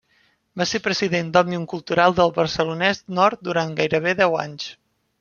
Va ser president d'Òmnium Cultural del Barcelonès Nord durant gairebé deu anys.